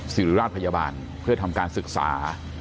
ศิริราชพยาบาลเพื่อทำการศึกษา